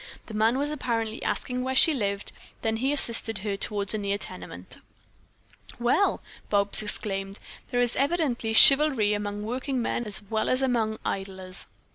The man was apparently asking where she lived; then he assisted her toward a near tenement. "Well," Bobs exclaimed, "there is evidently chivalry among working men as well as among idlers."